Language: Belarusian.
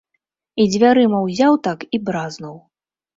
І дзвярыма ўзяў так, і бразнуў.